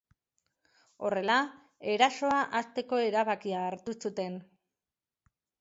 Horrela, erasoa hasteko erabakia hartu zuten.